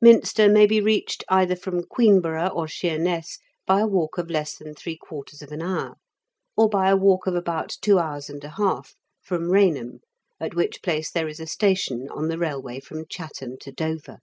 Minster may be reached, either from Queenborough or Sheerness, by a walk of less than three quarters of an hour ; or by a walk of about two hours and a half from Eainham, at which place there is a station on the railway from Chatham to Dover.